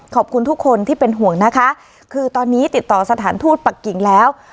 ขอบคุณทุกคนที่เป็นห่วงนะคะคือตอนนี้ติดต่อสถานทูตปักกิ่งแล้ว